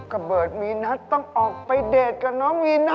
กับเบิร์ตมีนัทต้องออกไปเดทกับน้องมีนัทน่ะ